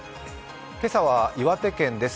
今朝は岩手県です。